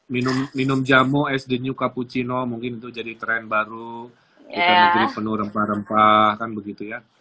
minum minum jamu sd new cappuccino mungkin itu jadi tren baru ya penuh rempah rempah kan begitu ya